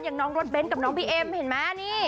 น้องรถเบนท์กับน้องพี่เอ็มเห็นมั้ยนี่